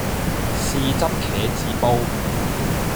豉汁茄子煲